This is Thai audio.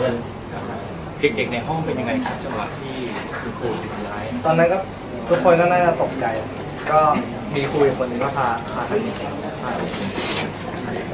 เด็กในห้องเป็นยังไงคะเดี๋ยวนาทีคุณภูมิถึงหลาย